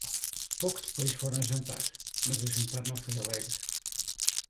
Pouco depois foram jantar; mas o jantar não foi alegre.